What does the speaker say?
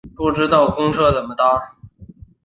不知道公车怎么搭